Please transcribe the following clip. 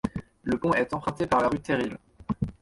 Le pont est emprunté par la rue Terrill.